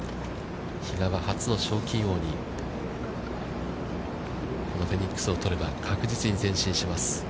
比嘉は初の賞金王に、このフェニックスを取れば、確実に前進します。